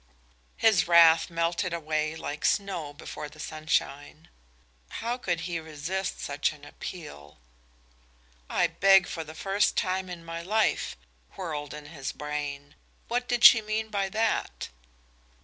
His wrath melted away like snow before the sunshine. How could he resist such an appeal? "I beg for the first time in my life," whirled in his brain. What did she mean by that?